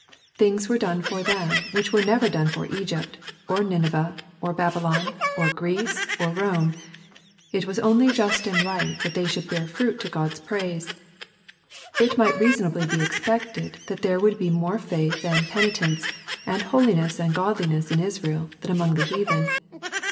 Things were done for them which were never done for Egypt, or Nineveh, or Babylon, or Greece, or Rome. It was only just and right that they should bear fruit to God's praise. It might reasonably be expected that there would be more faith, and penitence, and holiness, and godliness in Israel than among the heathen.